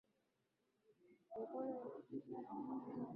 je ni kuwaunga mkono hawa ni kwa jumla na mnaona kwamba